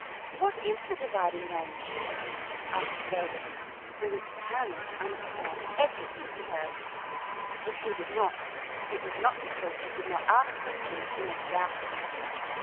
"What is the Dividing Range? " asked Fer gus, who was determined to understand every thing he heard. If he did not, it was not be cause he did not ask questions enough about it.